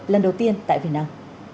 lần đầu tiên tại việt nam